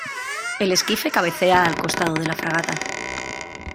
el esquife cabecea al costado de la fragata.